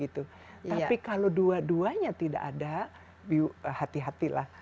tapi kalau dua duanya tidak ada hati hati lah